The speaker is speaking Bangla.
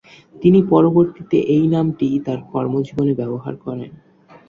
তিনি পরবর্তীতে এই নামটিই তার কর্মজীবনে ব্যবহার করেন।